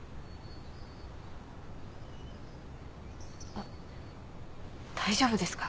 あっ大丈夫ですか？